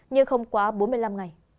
nhưng không quá bốn mươi năm ngày